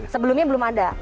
sebelumnya belum ada